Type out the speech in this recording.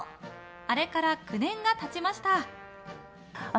あれから９年が経ちました。